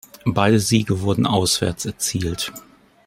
Beide Siege wurden auswärts erzielt.